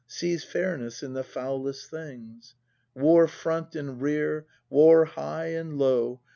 Sees fairness in the foulest things ? War front and rear, war high and low.